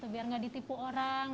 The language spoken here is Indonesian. biar nggak ditipu orang